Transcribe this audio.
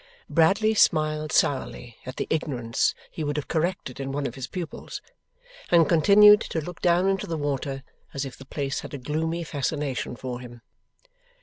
Bradley smiled sourly at the ignorance he would have corrected in one of his pupils, and continued to look down into the water, as if the place had a gloomy fascination for him.